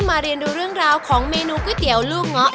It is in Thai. มาเรียนดูเรื่องราวของเมนูก๋วยเตี๋ยวลูกเงาะ